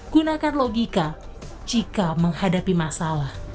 gunakan logika jika menghadapi masalah